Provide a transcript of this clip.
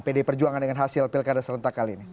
pdi perjuangan dengan hasil pilkada serentak kali ini